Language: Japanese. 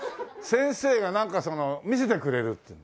先生がなんかその見せてくれるっていうの。